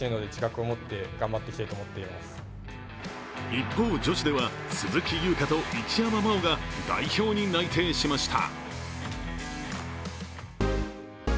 一方女子では、鈴木優花と一山麻緒が代表に内定しました。